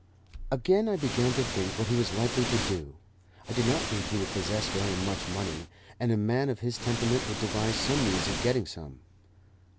Again I began to think what he was likely to do. I did not think he would possess very much money, and a man of his temperament would devise some means of getting some.